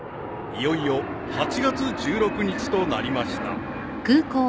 いよいよ８月１６日となりました］